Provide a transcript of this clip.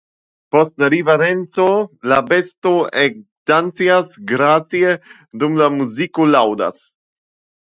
Post la riverenco la besto ekdancas gracie, dum la muziko ludas.